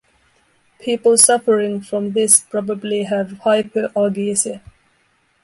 People suffering from this probably have hyperalgesia.